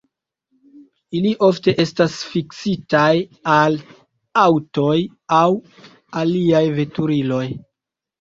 Ili ofte estas fiksitaj al aŭtoj aŭ aliaj veturiloj.